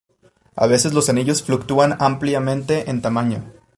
A veces los anillos fluctúan ampliamente en tamaño.